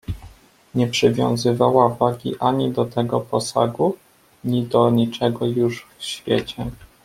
"Nie przywiązywała wagi ani do tego posagu, ni do niczego już w świecie."